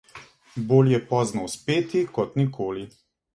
Bolje pozno uspeti kot nikoli.